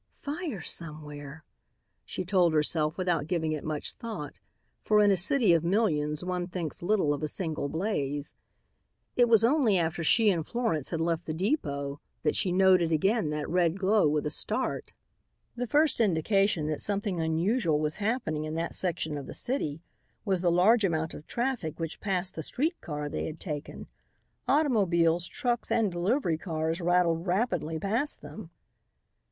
"Fire somewhere," she told herself without giving it much thought, for in a city of millions one thinks little of a single blaze. It was only after she and Florence had left the depot that she noted again that red glow with a start. The first indication that something unusual was happening in that section of the city was the large amount of traffic which passed the street car they had taken. Automobiles, trucks and delivery cars rattled rapidly past them.